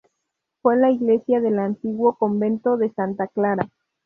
Fue la iglesia del antiguo convento de Santa Clara.